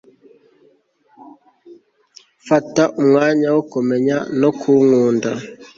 fata umwanya wo kumenya no kunkunda